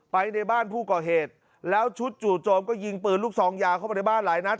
ในบ้านผู้ก่อเหตุแล้วชุดจู่โจมก็ยิงปืนลูกซองยาวเข้าไปในบ้านหลายนัด